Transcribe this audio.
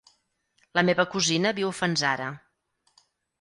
La meva cosina viu a Fanzara.